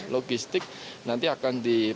logistik nanti akan diperoleh